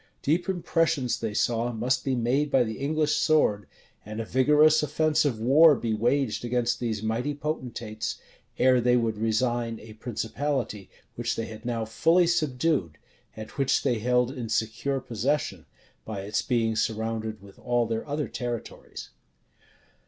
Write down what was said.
Deep impressions they saw must be made by the English sword, and a vigorous offensive war be waged against these mighty potentates, ere they would resign a principality which they had now fully subdued, and which they held in secure possession, by its being surrounded with all their other territories.